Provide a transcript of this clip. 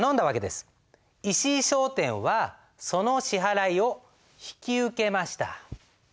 石井商店はその支払いを引き受けました。